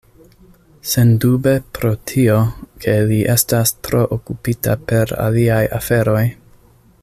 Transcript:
Sendube pro tio, ke li estas tro okupita per aliaj aferoj.